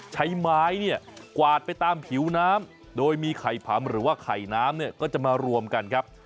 ใช้ไม้เนี่ยกวาดไปตามผิวน้ำโดยมีไข่ผำหรือว่าไข่น้ำเนี่ยก็จะมารวมกันครับ